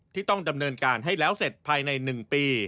ที่ต้องดำเนินการให้แล้วเสร็จภายใน๑ปี